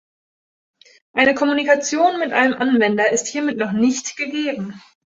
Eine Kommunikation mit einem Anwender ist hiermit noch nicht gegeben.